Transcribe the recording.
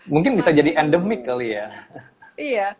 mungkin bisa jadi endemik kali ya